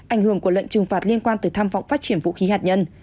ảnh hưởng của lệnh trừng phạt liên quan tới tham vọng phát triển vũ khí hạt nhân